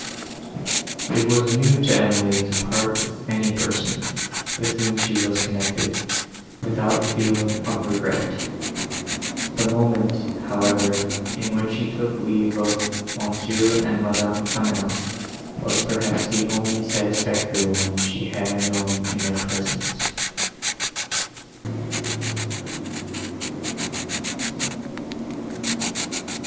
It was new to Emily to part with any person, with whom she was connected, without feeling of regret; the moment, however, in which she took leave of M. and Madame Quesnel, was, perhaps, the only satisfactory one she had known in their presence.